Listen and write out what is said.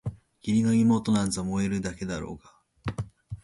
義理の妹なんざ萌えるだけだろうがあ！